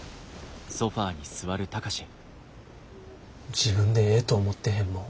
自分でええと思ってへんもん